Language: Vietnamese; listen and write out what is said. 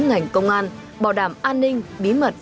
ngành công an bảo đảm an ninh bí mật